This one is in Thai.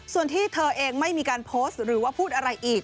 ส่วนที่เธอเองไม่มีการโพสต์หรือว่าพูดอะไรอีก